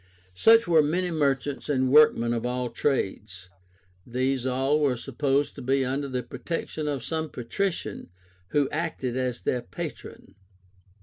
Such were many merchants and workmen of all trades. These all were supposed to be under the protection of some patrician who acted as their patron.